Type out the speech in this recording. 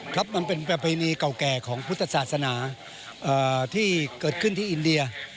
ครับมันเป็นประเพณีเก่าแก่ของพุทธศาสนาที่เกิดขึ้นที่อินเดีย